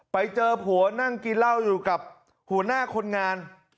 ไปเจอผัวนั่งกินเหล้าอยู่กับหัวหน้าคนงาน